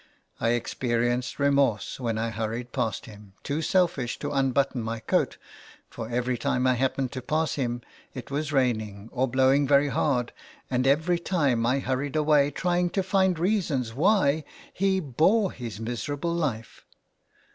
I experienced remorse when I hurried past him, too selfish to unbutton my coat, for every time I happened to pass him it was raining or blowing very hard, and every time I hurried away trying to find reasons why he bore his miserable life.